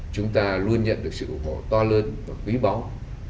chúng ta luôn nhận được sự ủng hộ to lớn và quý báu